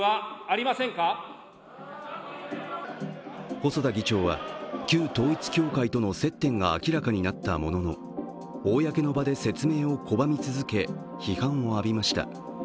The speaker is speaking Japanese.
細田議長は、旧統一教会との接点が明らかになったものの公の場で説明を拒み続け、批判を浴びました。